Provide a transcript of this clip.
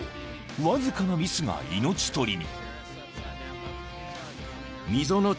わずかなミスが命取りに］